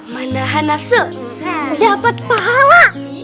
menahan nafsu dapat pahala